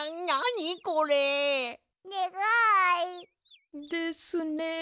にがい！ですね。